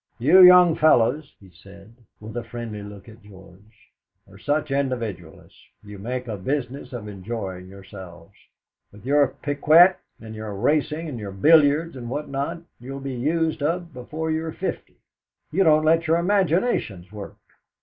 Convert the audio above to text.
"You young fellows," he said, with a friendly look at George, "are such individualists. You make a business of enjoying yourselves. With your piquet and your racing and your billiards and what not, you'll be used up before you're fifty. You don't let your imaginations work.